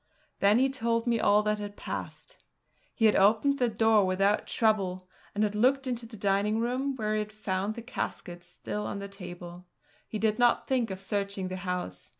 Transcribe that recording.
Then he told me all that had passed. He had opened the door without trouble, and had looked into the dining room where he found the caskets still on the table. He did not think of searching the house.